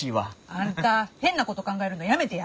あんた変なこと考えるのやめてや！